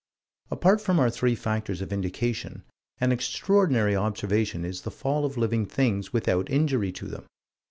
Apart from our three factors of indication, an extraordinary observation is the fall of living things without injury to them.